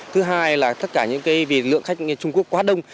thứ hai là tất cả những vì lượng khách trung quốc quá đông